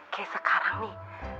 kayak sekarang nih